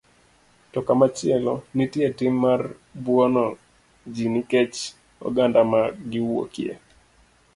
To komachielo, nitie tim mar buono ji nikech oganda ma giwuokie.